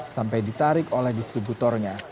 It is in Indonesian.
sampai ditarik oleh distributornya